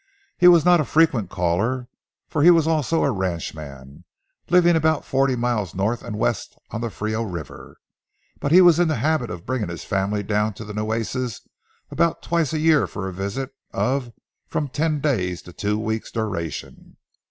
He was not a frequent caller, for he was also a ranchman, living about forty miles north and west on the Frio River, but was in the habit of bringing his family down to the Nueces about twice a year for a visit of from ten days to two weeks' duration.